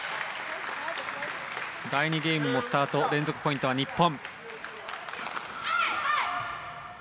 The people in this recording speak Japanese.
第２ゲームのスタート連続ポイントは日本。